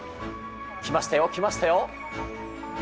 来ましたよ、来ましたよ。